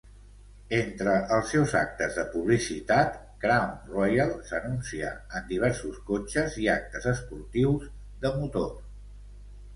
Entre els seus actes de publicitat, Crown Royal s'anuncia en diversos cotxes i actes esportius de motor.